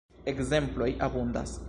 Ekzemploj abundas.